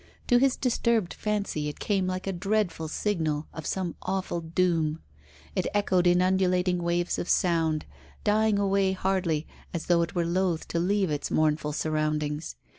To his disturbed fancy it came like a dreadful signal of some awful doom. It echoed in undulating waves of sound, dying away hardly, as though it were loth to leave its mournful surroundings.